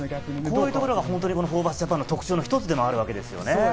こういうところがホーバスＪＡＰＡＮの特徴の一つでもあるわけですね。